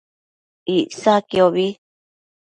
Icsaquiobi